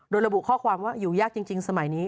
โดยระบุข้อความว่าอยู่ยากจริงสมัยนี้